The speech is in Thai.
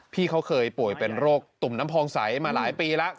พี่เขาเคยป่วยเป็นโรคตุ่มน้ำพองใสมาหลายปีแล้ว